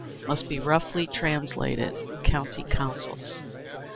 _ May be roughly translated "county councils."